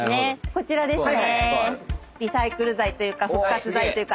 こちらですね。